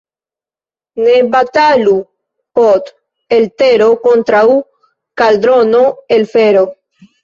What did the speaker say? Ne batalu pot' el tero kontraŭ kaldrono el fero.